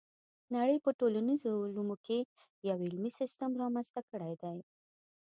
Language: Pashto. نړۍ په ټولنیزو علومو کې یو علمي سیستم رامنځته کړی دی.